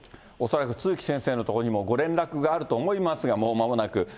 恐らく都築先生のところにもご連絡があると思いますが、もうまもなく。